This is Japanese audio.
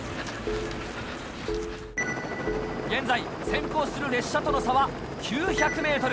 現在先行する列車との差は９００ｍ。